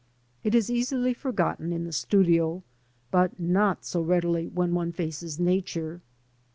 It is easily forgotten in the studio, but not so readily when one faces Nature.